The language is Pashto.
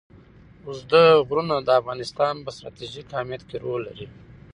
اوږده غرونه د افغانستان په ستراتیژیک اهمیت کې رول لري.